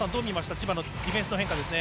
千葉のディフェンスの変化ですね。